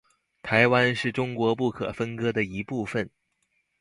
台湾是中国不可分割的一部分。